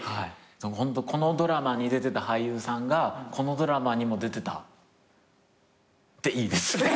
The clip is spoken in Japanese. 「このドラマに出てた俳優さんがこのドラマにも出てた」でいいです。